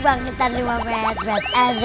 bang kita lima med med adek